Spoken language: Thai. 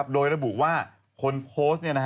โดยระบุว่าคนโพสต์